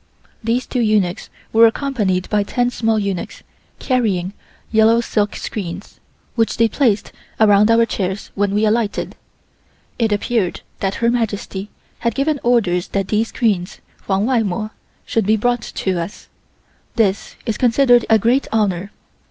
These two eunuchs were accompanied by ten small eunuchs carrying yellow silk screens, which they placed around our chairs when we alighted. It appeared that Her Majesty had given orders that these screens (huang wai mor) should be brought to us. This is considered a great honor.